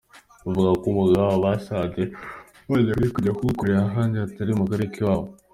Bavuga ko umwuga wabo basanze badakwiye kujya kuwukorera ahandi hatari mu karere k’iwabo.